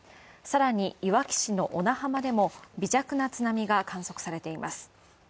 さらに、いわき市の小名浜でも微弱な津波が観測されています。